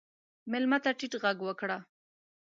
مېلمه ته ټیټ غږ وکړه.